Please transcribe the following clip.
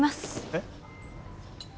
えっ？